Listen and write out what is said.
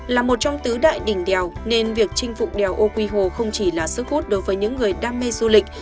là một trong tứ đại đỉnh đèo nên việc chinh phục đèo âu quy hồ không chỉ là sức hút đối với những người đam mê du lịch